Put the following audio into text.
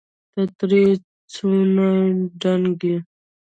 ته ترې څونه دنګ يې